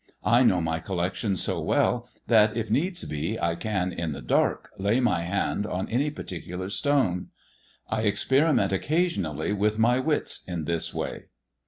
I know my collection so well that, if needs be, I can, in the dark, lay my hand on any particular stone. I experiment occasionally with my wits in this way.